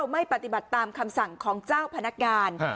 ไม่ปฏิบัติตามคำสั่งของเจ้าพนักงาน